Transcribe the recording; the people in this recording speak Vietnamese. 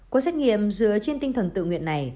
có xét nghiệm dựa trên tinh thần tự nguyện này